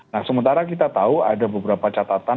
nah sementara kita tahu ada beberapa catatan